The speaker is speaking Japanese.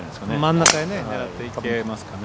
真ん中へね狙っていけますかね。